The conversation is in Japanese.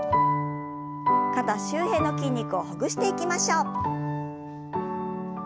肩周辺の筋肉をほぐしていきましょう。